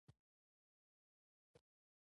عرض البلد د شاقولي خط او استوا ترمنځ زاویه ده